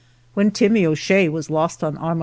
/ When Timmie O'Shea was lost on Armo